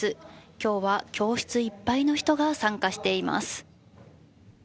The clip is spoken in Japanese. きょうは教室いっぱいの人が参加しています。